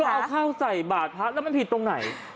เอาข้าวใส่บาทพระแล้วมันผิดตรงไหน